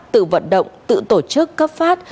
tự vận động tự tổ chức cấp phát